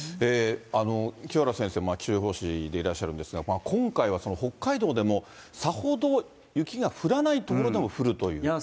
清原先生も気象予報士でいらっしゃるんですが、今回は北海道でもさほど雪が降らない所でも降るという。